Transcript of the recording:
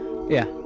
tentang ilmu hitam